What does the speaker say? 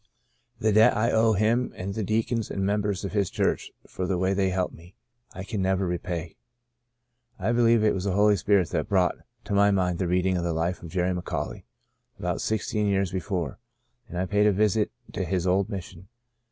The debt I owe him and the deacons and members of his church for the way they helped me I can never repay. " I believe it was the Holy Spirit that brought to my mind the reading of the * Life of Jerry McAuley,' about sixteen years be fore, and I paid a visit to his old Mission.